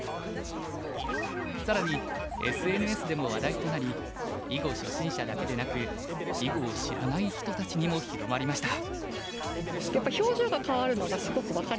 更にＳＮＳでも話題となり囲碁初心者だけでなく囲碁を知らない人たちにも広まりました。